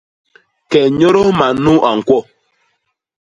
Ke nyôdôs man nuu a ñkwo.